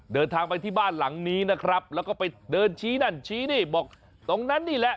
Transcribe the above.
เดินทางไปที่บ้านหลังนี้นะครับแล้วก็ไปเดินชี้นั่นชี้นี่บอกตรงนั้นนี่แหละ